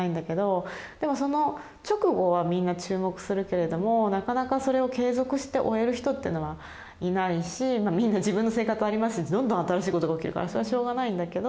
でもその直後はみんな注目するけれどもなかなかそれを継続して追える人っていうのはいないしみんな自分の生活ありますしどんどん新しいことが起きるからそれはしょうがないんだけど。